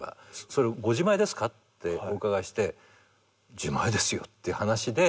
それご自前ですかってお伺いして「自前ですよ」って話で。